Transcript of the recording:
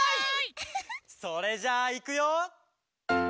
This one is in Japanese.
「それじゃあいくよ」